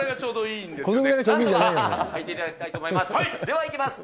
いっていただきたいと思います。